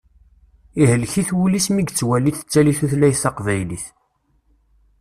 Ihlek-it wul-is mi yettwali tettali tutlayt taqbaylit.